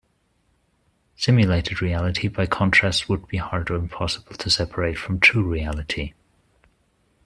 Simulated reality, by contrast, would be hard or impossible to separate from "true" reality.